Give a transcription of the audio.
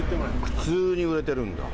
普通に売れてるんだ。